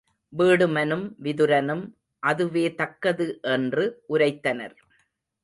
வீடுமனும் விதுரனும் அதுவே தக்கது என்று உரைத்தனர்.